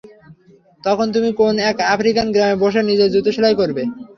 তখন তুমি কোন এক আফ্রিকান গ্রামে বসে নিজের জুতা সেলাই করবে।